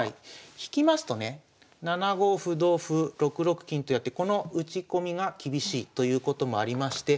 引きますとね７五歩同歩６六金とやってこの打ち込みが厳しいということもありまして